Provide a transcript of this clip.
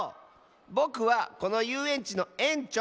ぼくはこのゆうえんちのえんちょう。